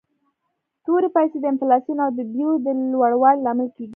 تورې پیسي د انفلاسیون او د بیو د لوړوالي لامل کیږي.